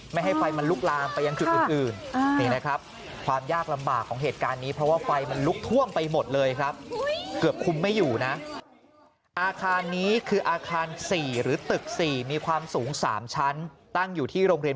ไม่ให้ไฟล์มันลุกลามไปยังจุดอื่น